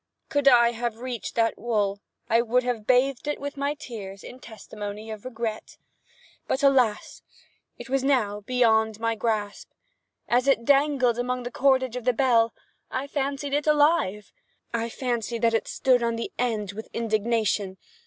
Could I have reached that wool I would have bathed it with my tears, in testimony of regret. But alas! it was now far beyond my grasp. As it dangled among the cordage of the bell, I fancied it alive. I fancied that it stood on end with indignation.